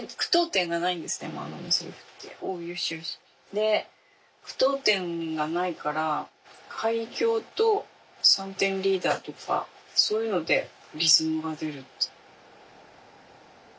で句読点がないから改行と３点リーダーとかそういうのでリズムが出る。